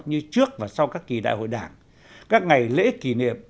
như trước và sau các kỳ đại hội đảng các ngày lễ kỷ niệm